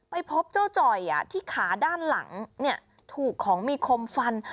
ไปพบเจ้าจ่อยที่ขาด้านหลังถูกของมีคมฟัน